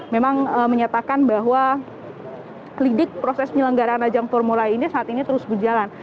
memang menyatakan bahwa klidik proses penyelenggaraan ajang formula e ini saat ini terus berjalan